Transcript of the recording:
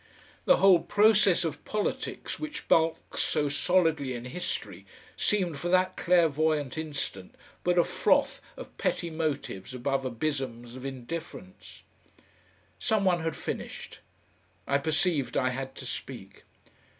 The whole process of politics which bulks so solidly in history seemed for that clairvoyant instant but a froth of petty motives above abysms of indifference.... Some one had finished. I perceived I had to speak.